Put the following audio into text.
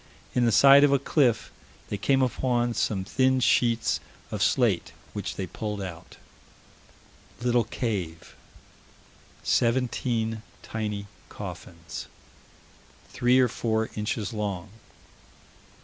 In the side of a cliff, they came upon some thin sheets of slate, which they pulled out. Little cave. Seventeen tiny coffins. Three or four inches long.